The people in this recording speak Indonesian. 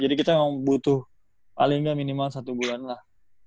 jadi kita butuh paling nggak minimal satu bulan lah